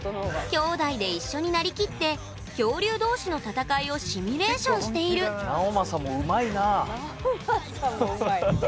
兄弟で一緒になりきって恐竜同士の戦いをシミュレーションしている直将もうまいって。